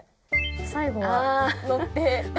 最後は乗って。